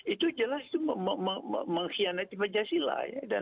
itu jelas mengkhianati pancasila ya